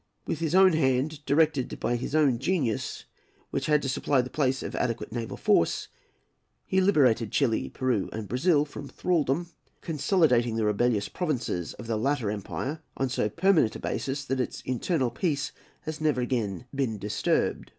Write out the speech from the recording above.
With his own hand, directed by his own genius, which had to supply the place of adequate naval force, he liberated Chili, Peru, and Brazil from thraldom, consolidating the rebellious provinces of the latter empire on so permanent a basis, that its internal peace has never again been disturbed.